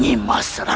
nyimah serara santang